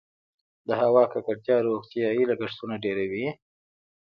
د هوا ککړتیا روغتیايي لګښتونه ډیروي؟